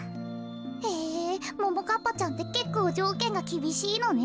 へぇももかっぱちゃんってけっこうじょうけんがきびしいのね。